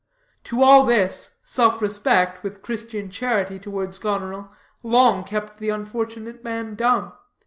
To all this, self respect, with Christian charity towards Goneril, long kept the unfortunate man dumb.